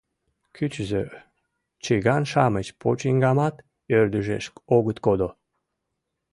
Кӱчызӧ, чыган-шамыч почиҥгамат ӧрдыжеш огыт кодо.